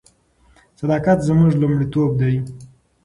صداقت زموږ لومړیتوب دی.